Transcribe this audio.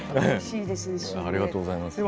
ありがとうございます。